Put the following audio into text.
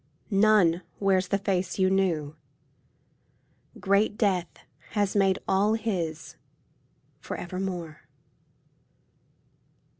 None wears the face you knew. Great death has made all his for evermore.